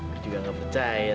gue juga gak percaya